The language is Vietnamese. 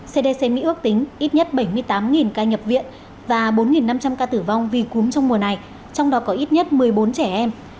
cdc mỹ ước tính ít nhất bảy mươi tám ca nhập viện và bốn năm trăm linh ca tử vong vì cúm trong mùa này trong đó có ít nhất một mươi bốn trẻ em